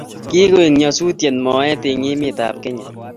kigoek nyasusiet moet eng emetab Kenya